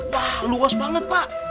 wah luas banget pak